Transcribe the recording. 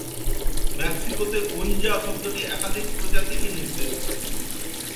মেক্সিকোতে "ওনজা" শব্দটি একাধিক প্রজাতিকে নির্দেশ করে।